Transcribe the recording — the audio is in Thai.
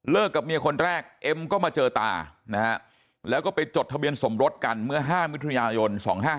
กับเมียคนแรกเอ็มก็มาเจอตานะฮะแล้วก็ไปจดทะเบียนสมรสกันเมื่อ๕มิถุนายน๒๕๖